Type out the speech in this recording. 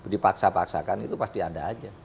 dipaksa paksakan itu pasti ada aja